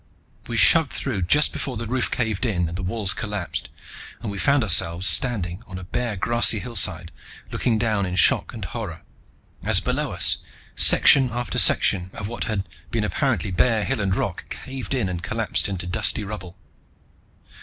We shoved through just before the roof caved in and the walls collapsed, and we found ourselves standing on a bare grassy hillside, looking down in shock and horror as below us, section after section of what had been apparently bare hill and rock caved in and collapsed into dusty rubble.